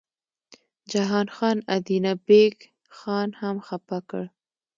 جهان خان ادینه بېګ خان هم خپه کړ.